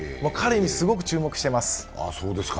彼にすごく注目してます。